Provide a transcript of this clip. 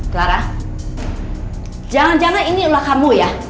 clara jangan jangan ini adalah kamu ya